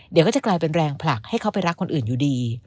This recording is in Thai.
เดี๋ยวก็จะกลายเป็นแรงผลักให้เขาไปรักคนอื่นอยู่ดี